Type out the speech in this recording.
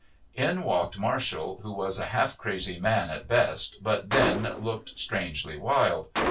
In walked Marshall, who was a half crazy man at best, but then looked strangely wild.